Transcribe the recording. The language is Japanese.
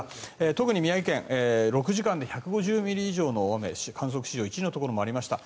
特に宮城県、６時間で１５０ミリ以上の大雨観測史上１位のところもありました。